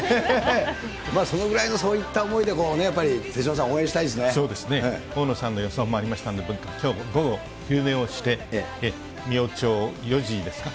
そのぐらいのそういった思いで、やっぱり手嶋さん、応援したいでそうですね、大野さんの予想もありましたので、きょう午後、昼寝をして明朝４時ですか？